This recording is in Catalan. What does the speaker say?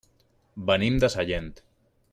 Venim de Sallent.